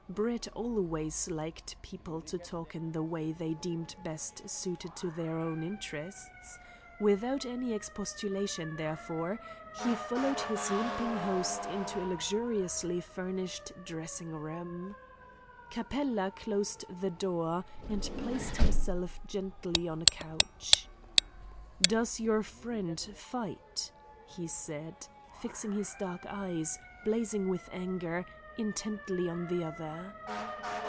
Brett always liked people to talk in the way they deemed best suited to their own interests. Without any expostulation, therefore, he followed his limping host into a luxuriously furnished dressing room. Capella closed the door, and placed himself gently on a couch. "Does your friend fight?" he said, fixing his dark eyes, blazing with anger, intently on the other.